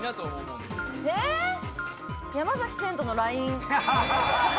山崎賢人のＬＩＮＥ。